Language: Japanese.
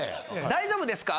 「大丈夫ですか？」